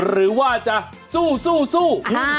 หรือว่าจะสู้สู้สู้